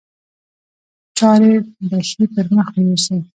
چارې به ښې پر مخ یوسي.